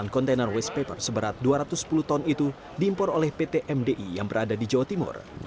delapan kontainer waste paper seberat dua ratus sepuluh ton itu diimpor oleh pt mdi yang berada di jawa timur